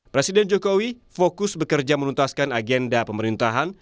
presiden jokowi fokus bekerja menuntaskan agenda pemerintahan